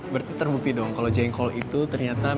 berarti terbukti dong kalau jengkol itu ternyata